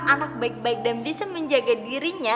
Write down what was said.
anak baik baik dan bisa menjaga dirinya